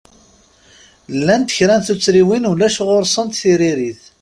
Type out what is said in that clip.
Llant kra n tuttriwin ulac ɣur-sent tiririt.